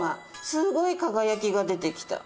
すごい輝きが出てきた。